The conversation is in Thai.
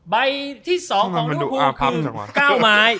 ใบที่สองของรูปภูมิคือ